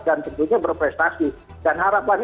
dan tentunya berprestasi dan harapan